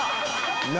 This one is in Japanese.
何？